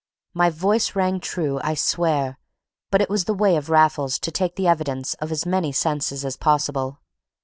My voice rang true, I swear, but it was the way of Raffles to take the evidence of as many senses as possible.